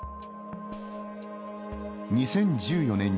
２０１４年に